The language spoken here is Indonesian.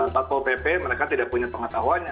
satpol pp mereka tidak punya pengetahuannya